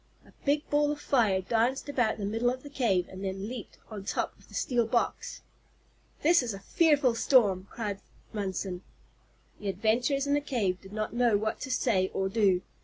A big ball of fire danced about the middle of the cave and then leaped on top of the steel box. "This is a fearful storm," cried Munson. The adventurers in the cave did not know what to say or do.